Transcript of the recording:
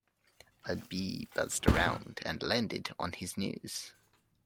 A bee buzzed around and landed on his nose.